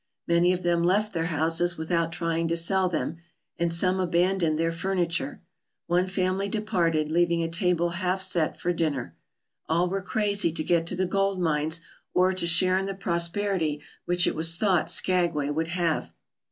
Many of them left their houses without trying to sell them, and some abandoned their furniture. One family departed, leaving a table half set for dinner. All were crazy to get to the gold mines or to share in the prosperity which it was thought Skagway would have.